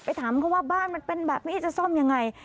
ถามเขาว่าบ้านมันเป็นแบบนี้จะซ่อมยังไง